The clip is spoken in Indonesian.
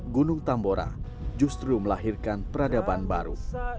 seribu delapan ratus lima belas gunung tambora justru melahirkan peradaban baru